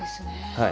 はい。